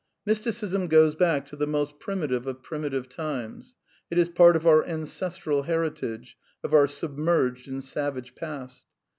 Mysticism goes back to the most primitive of primitive times; it is part of our ancestral heritage, of our sub merged and savage past.